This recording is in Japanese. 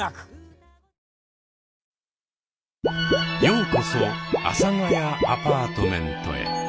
ようこそ「阿佐ヶ谷アパートメント」へ。